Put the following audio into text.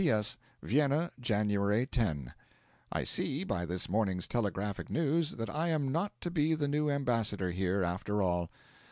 P.S. VIENNA, January 10. I see, by this morning's telegraphic news, that I am not to be the new ambassador here, after all.